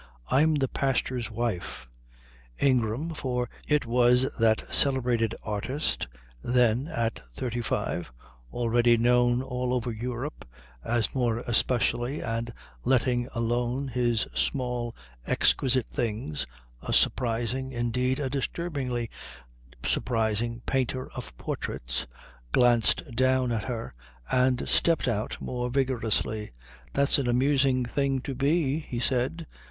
I'm the pastor's wife." Ingram for it was that celebrated artist, then at thirty five, already known all over Europe as more especially and letting alone his small exquisite things a surprising, indeed a disturbingly surprising painter of portraits glanced down at her and stepped out more vigorously. "That's an amusing thing to be," he said.